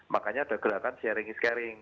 makanya ada gerakan sharing is caring